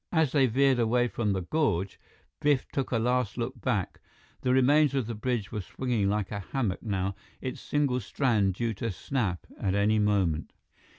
As they veered away from the gorge, Biff took a last look back. The remains of the bridge were swinging like a hammock now, its single strand due to snap at any moment.